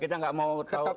kita nggak mau tahu